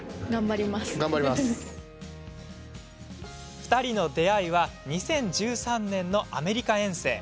２人の出会いは２０１３年のアメリカ遠征。